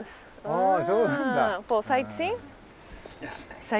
ああそうなんだ。